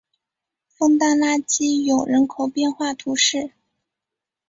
枫丹拉基永人口变化图示